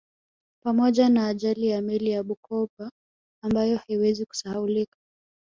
Pamoja na ajali ya meli ya Bukoba ambayo haiwezi kusahaulika